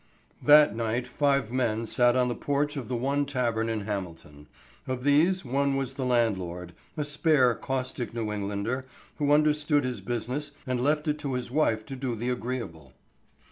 THAT night five men sat on the porch of the one tavern in Hamilton. Of these, one was the landlord, a spare, caustic New Englander who understood his business and left it to his wife to do the agreeable.